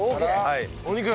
お肉。